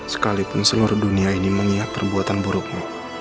sekalipun seluruh dunia ini mengiak perbuatan burukmu